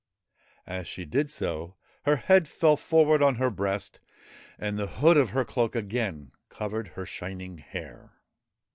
As she did so, her head fell forward on her breast, and the hood of her cloak again covered her shining hair.